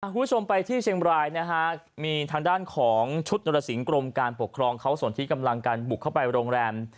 คุณผู้ชมไปที่เชียงบรายนะฮะมีทางด้านของชุดนรสิงหกรมการปกครองเขาส่วนที่กำลังการบุกเข้าไปโรงแรม